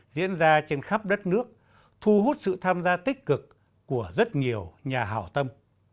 diễn ra trên khắp đất nước thu hút sự tham gia tích cực của rất nhiều nhà hào tâm